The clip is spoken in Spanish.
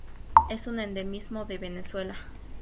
Es un endemismo de Venezuela.